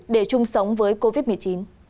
để chung sống với covid một mươi chín